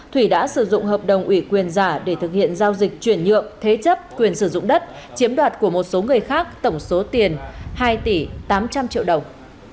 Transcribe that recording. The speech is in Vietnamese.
thủy đã sử dụng hợp đồng ủy quyền giả để thực hiện giao dịch chuyển nhượng thế chấp quyền sử dụng đất chiếm đoạt của một số người khác tổng số tiền hai tỷ tám trăm linh triệu đồng